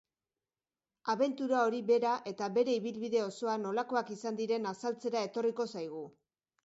Abentura hori bera eta bere ibilbide osoa nolakoak izan diren azaltzera etorriko zaigu.